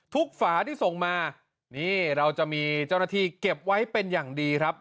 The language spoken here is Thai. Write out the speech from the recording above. ฝาที่ส่งมานี่เราจะมีเจ้าหน้าที่เก็บไว้เป็นอย่างดีครับ